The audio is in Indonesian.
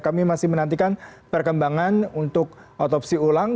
kami masih menantikan perkembangan untuk otopsi ulang